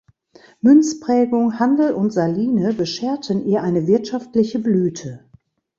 Münzprägung, Handel und Saline bescherten ihr eine wirtschaftliche Blüte.